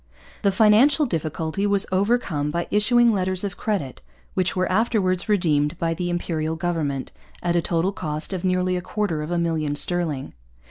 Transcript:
The financial difficulty was overcome by issuing letters of credit, which were afterwards redeemed by the Imperial government, at a total cost of nearly a quarter of a million sterling.